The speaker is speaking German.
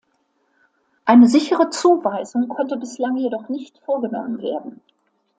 Eine sichere Zuweisung konnte bislang jedoch nicht vorgenommen werden.